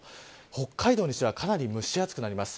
北海道にしてはかなり蒸し暑くなります。